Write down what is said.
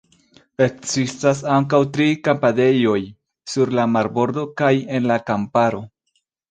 Ekzistas ankaŭ tri kampadejoj – sur la marbordo kaj en la kamparo.